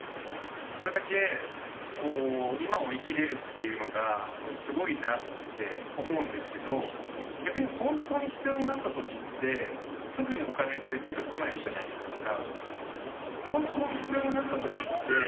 それだけ今を生きれるっていうのがすごいなって思うんですけど逆に本当に必要になった時ってすぐにお金って出てこないじゃないですか。